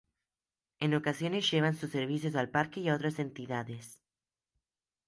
En ocasiones llevan sus servicios al parque y a otras entidades.